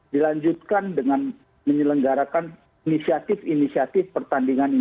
dilanjutkan dengan menyelenggarakan inisiatif inisiatif pertandingan ini